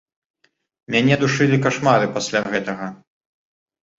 Мяне душылі кашмары пасля гэтага.